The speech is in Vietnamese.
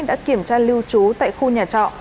đã kiểm tra lưu trú tại khu nhà trọ